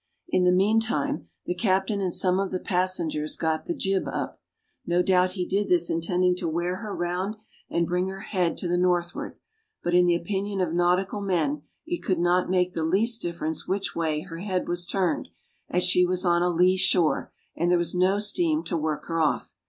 In the meantime, the captain and some of the passengers got the jib up. No doubt he did this intending to wear her round and bring her head to the northward; but in the opinion of nautical men, it could not make the least difference which way her head was turned, as she was on a lee shore, and there was no steam to work her off.